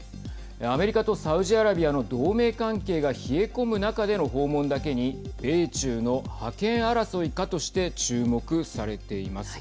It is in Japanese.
アメリカとサウジアラビアの同盟関係が冷え込む中での訪問だけに米中の覇権争いかとして注目されています。